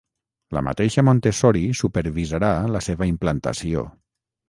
La mateixa Montessori supervisarà la seva implantació.